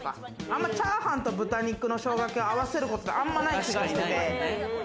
あんまチャーハンと豚肉の生姜焼きを合わせることって、あんまない気がしてて。